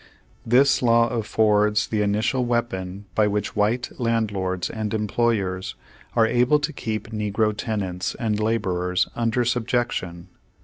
This law affords the initial weapon by which white landlords and employers are able to keep negro tenants and laborers under subjection.